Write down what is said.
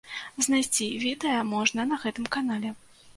Знайсці відэа можна на гэтым канале.